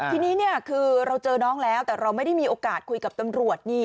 ทีนี้คือเราเจอน้องแล้วแต่เราไม่ได้มีโอกาสคุยกับตำรวจนี่